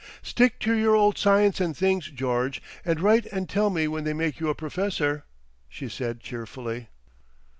"Stick to your old science and things, George, and write and tell me when they make you a Professor," she said cheerfully.